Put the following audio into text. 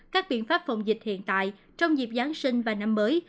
các biện pháp phòng dịch hiện tại trong dịp giáng sinh và năm mới